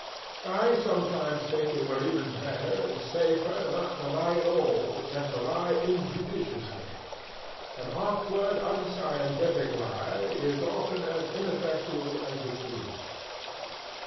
I sometimes think it were even better and safer not to lie at all than to lie injudiciously. An awkward, unscientific lie is often as ineffectual as the truth.